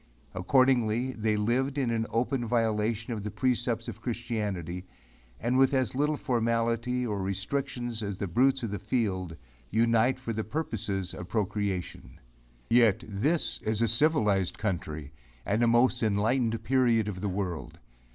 Accordingly they lived in open violation of the precepts of christianity and with as little formality or restrictions as the brutes of the field, unite for the purposes of procreation. Yet this is a civilized country and a most enlightened period of the world!